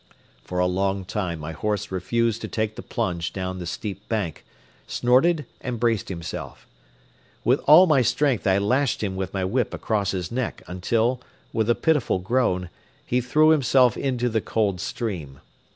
For a long time my horse refused to take the plunge down the steep bank, snorted and braced himself. With all my strength I lashed him with my whip across his neck until, with a pitiful groan, he threw himself into the cold stream.